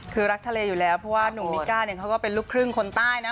คือรักทะเลอยู่แล้วเพราะว่าหนุ่มมิก้าเนี่ยเขาก็เป็นลูกครึ่งคนใต้นะ